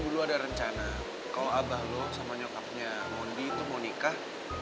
dulu ada rencana kalau abah lu sama nyokapnya mondi itu mau nikah